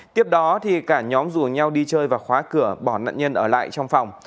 tiếp đó cả nhóm rủ nhau đi chơi và khóa cửa bỏ nạn nhân ở lại trong phòng